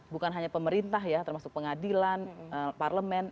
bukan hanya pemerintah ya termasuk pengadilan parlemen